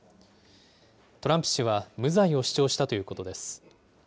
トランプ氏は無罪を主張したということです。